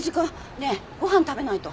ねえご飯食べないと。